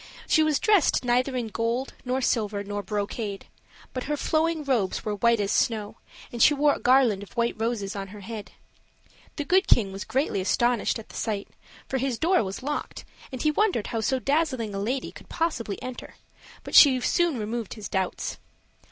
She was dressed neither in gold, nor silver, nor brocade; but her flowing robes were white as snow, and she wore a garland of white roses on her head. The Good King was greatly astonished at the sight; for his door was locked, and he wondered how so dazzling a lady could possibly enter; but she soon removed his doubts.